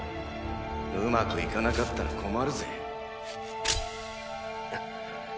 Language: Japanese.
上手くいかなかったら困るぜ。